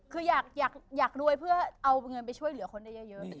คืออยากรวยเพื่อเอาเงินไปช่วยเหลือคนได้เยอะ